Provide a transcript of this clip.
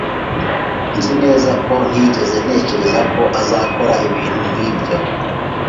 [S] Nzi neza ko ntigeze ntekereza ko azakora ibintu nkibyo.